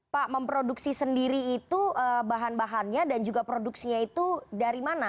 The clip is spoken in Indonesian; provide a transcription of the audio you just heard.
pak memproduksi sendiri itu bahan bahannya dan juga produksinya itu dari mana